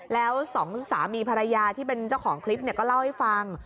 แล้วสองสามีภรรยาที่เป็นเจ้าของคลิปก็เล่าให้ฟัง